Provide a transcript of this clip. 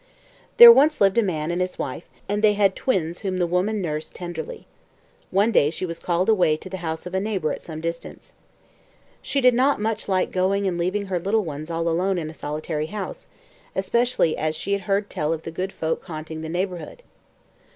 There once lived there a man and his wife, and they had twins whom the woman nursed tenderly. One day she was called away to the house of a neighbour at some distance. She did not much like going and leaving her little ones all alone in a solitary house, especially as she had heard tell of the good folk haunting the neighbourhood.